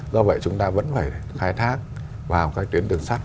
do vậy chúng ta vẫn phải khai thác vào các tuyến đường sắt